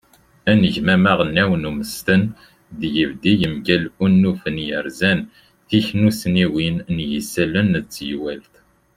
anegmam aɣelnaw n umesten d yibeddi mgal unufen yerzan tiknussniwin n yisallen d teywalt